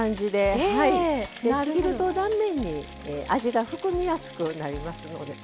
ちぎると断面に味が含みやすくなりますのでね。